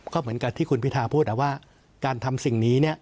ก็เหมือนกับที่คุณพิทาพูดว่าการทำสิ่งนี้